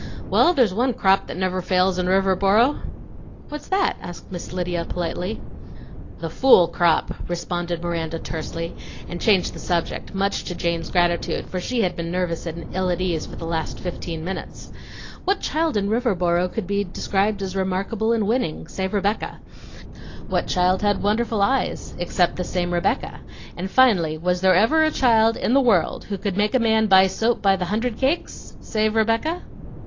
"Well, there's one crop that never fails in Riverboro!" "What's that?" asked Miss Lydia politely. "The fool crop," responded Miranda tersely, and changed the subject, much to Jane's gratitude, for she had been nervous and ill at ease for the last fifteen minutes. What child in Riverboro could be described as remarkable and winning, save Rebecca? What child had wonderful eyes, except the same Rebecca? and finally, was there ever a child in the world who could make a man buy soap by the hundred cakes, save Rebecca?